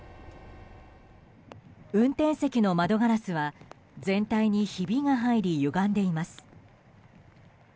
運転席の窓ガラスは全体にひびが入りゆがんでいます。